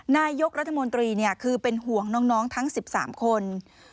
นายกรัฐมนตรีคือเป็นห่วงน้องทั้ง๑๓คน